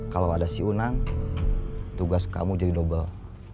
kalo ada si unang tugas kamu jadi dobel